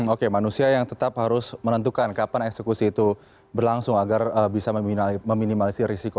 oke manusia yang tetap harus menentukan kapan eksekusi itu berlangsung agar bisa meminimalisir risiko